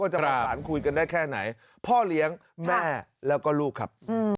จะประสานคุยกันได้แค่ไหนพ่อเลี้ยงแม่แล้วก็ลูกครับ